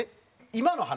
今の話？